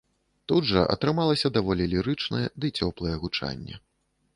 Тут жа атрымалася даволі лірычнае ды цёплае гучанне.